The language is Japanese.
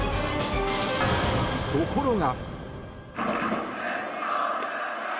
ところが。